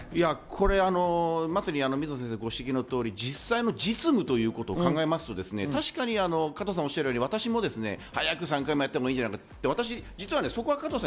水野先生のご指摘の通り、実務ということを考えますと、加藤さんがおっしゃるように、私も早く３回目をやってもいいんじゃないかと。